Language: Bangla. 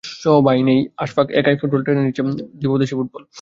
এখন অবশ্য ভাই নেই, আশফাফ একাই টেনে নিচ্ছেন ছোটমট দ্বীপদেশের ফুটবল।